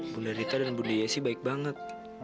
bunda rita dan bunda yesi baik banget